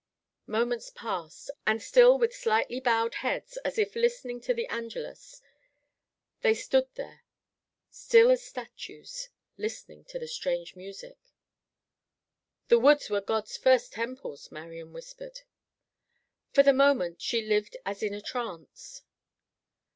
Moments passed, and still with slightly bowed heads, as if listening to the Angelus, they stood there, still as statues, listening to the strange music. "The woods were God's first temples," Marian whispered. For the moment she lived as in a trance.